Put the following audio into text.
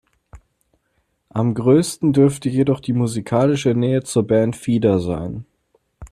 Am größten dürfte jedoch die musikalische Nähe zur Band Feeder sein.